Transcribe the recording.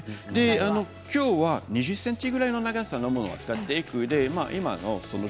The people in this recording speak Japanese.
きょうは２０ｃｍぐらいの長さのものを使っていきます。